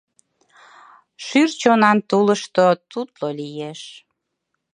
Шӱр чонан тулышто тутло лиеш.